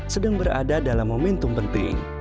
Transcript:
sedang berada dalam momentum penting